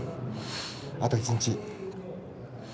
あと一日。